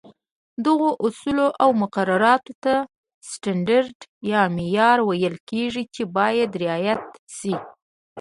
دغو اصولو او مقرراتو ته سټنډرډ یا معیار ویل کېږي، چې باید رعایت شي.